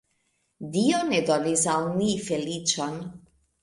Dio ne donis al ni feliĉon!